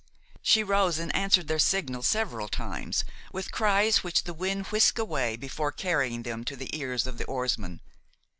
She rose and answered their signal several times with cries which the wind whisked away before carrying them to the ears of the oarsmen.